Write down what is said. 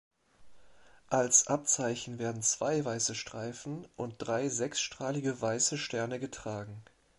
Als Abzeichen werden zwei weiße Streifen und drei sechsstrahlige weiße Sterne getragen.